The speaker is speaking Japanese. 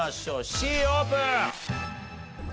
Ｃオープン！